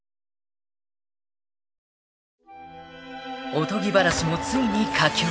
［おとぎ話もついに佳境］